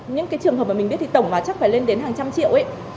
những cái trường hợp mà mình biết thì tổng vào chắc phải lên đến hàng trăm triệu ý